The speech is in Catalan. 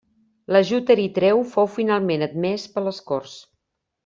L'ajut eritreu fou finalment admès per les corts.